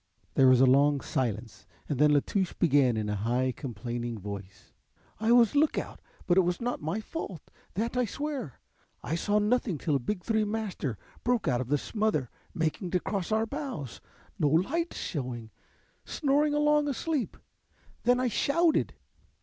There was a long silence and then La Touche began in a high complaining voice: "I was lookout, but it was not my fault, that I swear. I saw nothing till a big three master broke out of the smother making to cross our bows, no lights shewing, snoring along asleep. Then I shouted.